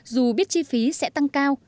dù biết chi phí sẽ tăng cao